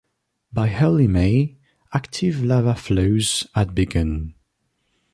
By early May, active lava flows had begun.